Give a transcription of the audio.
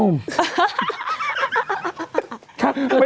ไม่ได้